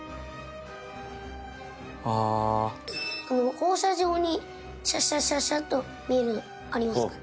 放射状にシャッシャッシャッシャッと見えるありますかね？